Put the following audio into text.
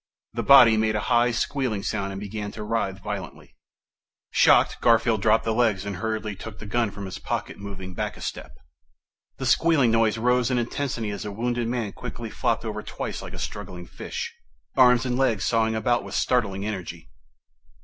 The body made a high, squealing sound and began to writhe violently. Shocked, Garfield dropped the legs and hurriedly took the gun from his pocket, moving back a step. The squealing noise rose in intensity as the wounded man quickly flopped over twice like a struggling fish, arms and legs sawing about with startling energy.